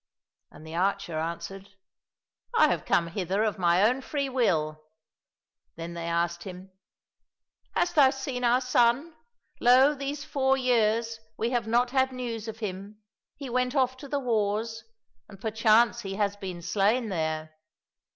— And the archer answered, " I have come hither of my own free will !"— Then they asked him, *' Hast thou seen our son ? Lo, these four years we have not had news of him. He went off to the wars, and perchance he has been slain there."